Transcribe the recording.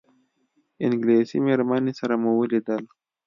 انګلیسي مېرمنې سره مو ولیدل.